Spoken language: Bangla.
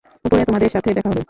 উপরে তোমাদের সাথে দেখা হবে।